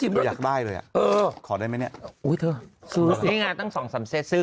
เราอยากได้เลยอ่ะเออขอได้ไหมเนี่ยอุ้ยเธอซื้อนี่ไงตั้งสองสามเซตซื้อ